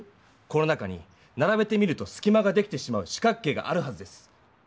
この中にならべてみるとすきまができてしまう四角形があるはずです。